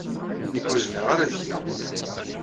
Nekk ur zmireɣ ara ad gneɣ.